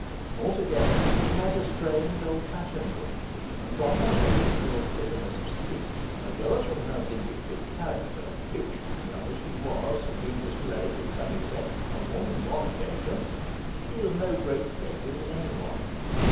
Altogether she had a strange old fashioned look, and from her habitual bitterness of speech, as well as from her vindictive character, which, young as she was, had been displayed, with some effect, on more than one occasion, she was no great favourite with any one.